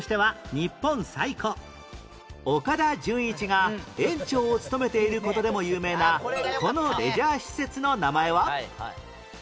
岡田准一が園長を務めている事でも有名なこのレジャー施設の名前は？